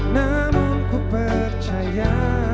namun ku percaya